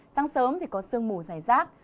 sáng sớm thì có sương mù dài rác